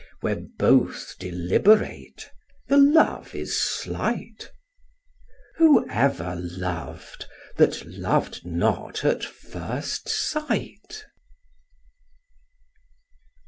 Where both deliberate, the love is slight: Who ever lov'd, that lov'd not at first sight?